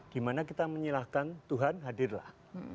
gimana kita menyilahkan tuhan hadirlah